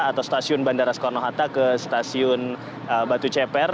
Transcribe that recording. atau stasiun bandara soekarno hatta ke stasiun batu ceper